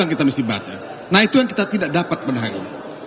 nah itu yang kita tidak dapat pada hari ini